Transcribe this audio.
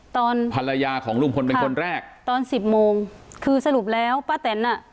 ตอนภรรยาของลุงพลเป็นคนแรกตอนสิบโมงคือสรุปแล้วป้าแตนอ่ะ